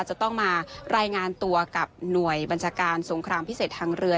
จะต้องมารายงานตัวกับหน่วยบัญชาการสงครามพิเศษทางเรือ